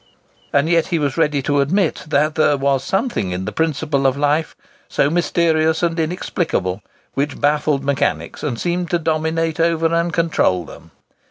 And yet he was ready to admit that there was a something in the principle of life—so mysterious and inexplicable—which baffled mechanics, and seemed to dominate over and control them.